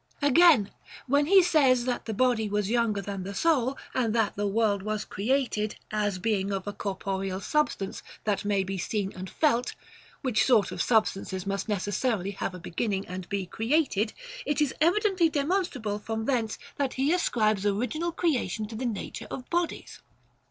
Again, when he says that the body was younger than the soul, and that the world was created, as being of a corporeal substance that may be seen and felt, — which sort of substances must necessarily have a beginning and be created, — it is evidently demonstrable from thence that he ascribes original creation to the nature of bodies.